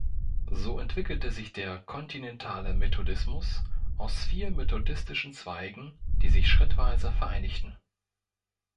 So entwickelte sich der kontinentale Methodismus aus vier methodistischen Zweigen, die sich schrittweise vereinigten.